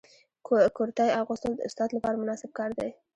کرتۍ اغوستل د استاد لپاره مناسب کار دی.